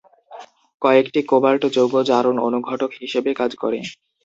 কয়েকটি কোবাল্ট যৌগ জারণ অনুঘটক হিসেবে কাজ করে।